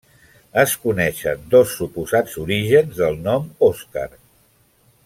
Es coneixen dos suposats orígens del nom Òscar.